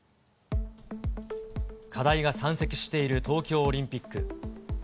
課題が山積している東京オリンピック。